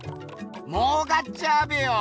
もうかっちゃうべよ。